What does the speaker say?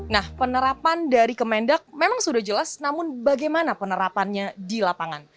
nah penerapan dari kemendak memang sudah jelas namun bagaimana penerapannya di lapangan